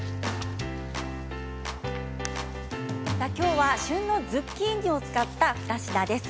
きょうは旬のズッキーニを使った２品です。